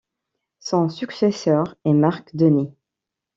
Son successeur est Marc Denis.